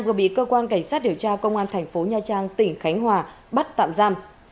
vừa bị cơ quan cảnh sát điều tra công an tp nha trang tỉnh khánh hòa bắt tạm giam